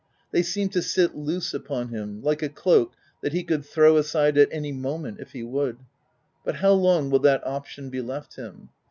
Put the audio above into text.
They seem to sit loose upon him, like a cloak that he could throw aside at any mo ment if he would— but how long will that option be left him?